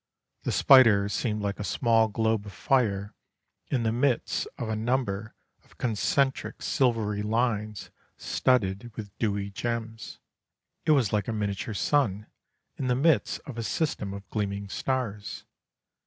The spider seemed like a small globe of fire in the midst of a number of concentric silvery lines studded with dewy gems; it was like a miniature sun in the midst of a system of gleaming stars.